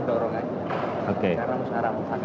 sehingga kita hanya mendorong saja